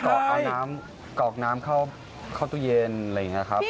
เกาะน้ำเข้าตู้เย็นอะไรอย่างนี้ครับ